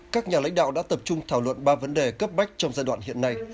các nhà lãnh đạo đã tập trung thảo luận ba vấn đề cấp bách trong giai đoạn hiện nay